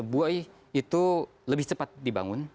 buoy itu lebih cepat dibangun